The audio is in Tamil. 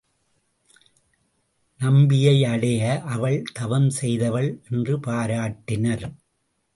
நம்பியை அடைய அவள் தவம் செய்தவள் என்று பாராட்டினர்.